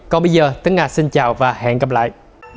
còn bây giờ tính nga xin chào và hẹn gặp lại